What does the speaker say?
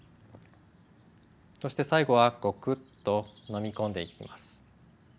そして最後はゴクッと飲み込んでいきます。